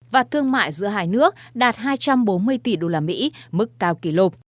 và thương mại giữa hai nước đạt hai trăm bốn mươi tỷ đô la mỹ mức cao kỷ lục